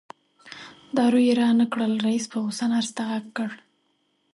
دارو یې رانه کړل رئیس په غوسه نرس ته غږ کړ.